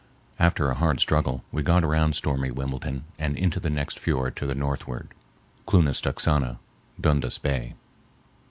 After a hard struggle we got around stormy Wimbledon and into the next fiord to the northward (Klunastucksana—Dundas Bay).